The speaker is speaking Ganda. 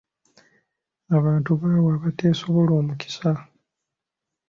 Abantu bawa abateesobola omukisa.